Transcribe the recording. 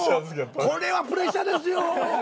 これはプレッシャーですよ。